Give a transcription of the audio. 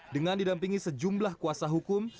dengan didampingi sejumlah kuasa hukum